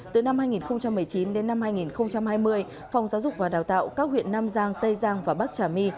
từ năm hai nghìn một mươi chín đến năm hai nghìn hai mươi phòng giáo dục và đào tạo các huyện nam giang tây giang và bắc trà my